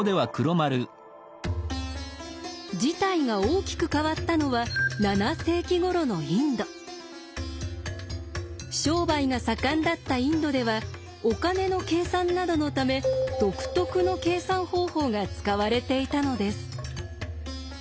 事態が大きく変わったのは商売が盛んだったインドではお金の計算などのため独特の計算方法が使われていたのです。